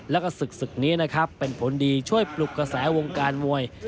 แล้วก็ศึกศึกนี้นะครับเป็นผลดีช่วยปลุกกระแสวงการมวย